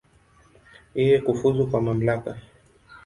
Yeye kufuzu kwa mamlaka.